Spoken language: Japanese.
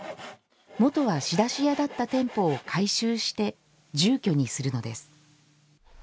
元は仕出し屋だった店舗を改修して住居にするのです。